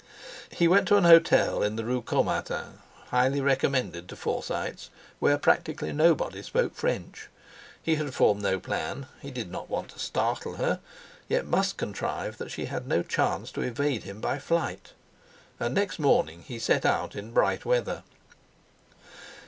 He went to an hotel in the Rue Caumartin, highly recommended to Forsytes, where practically nobody spoke French. He had formed no plan. He did not want to startle her; yet must contrive that she had no chance to evade him by flight. And next morning he set out in bright weather.